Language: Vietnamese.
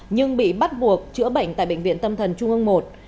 nhưng bị bắt buộc chữa bệnh tại bệnh viện tâm thần trung ương i